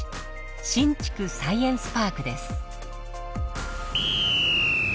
新竹サイエンスパークです。